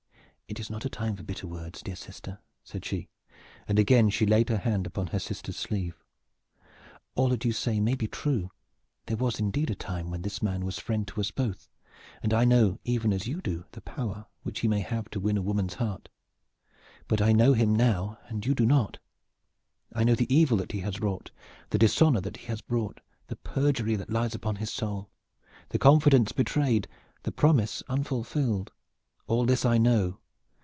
"It is not a time for bitter words, dear sister," said she, and again she laid her hand upon her sister's sleeve. "All that you say may be true. There was indeed a time when this man was friend to us both, and I know even as you do the power which he may have to win a woman's heart. But I know him now, and you do not. I know the evil that he has wrought, the dishonor that he has brought, the perjury that lies upon his soul, the confidence betrayed, the promise unfulfilled all this I know.